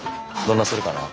どんなするかな。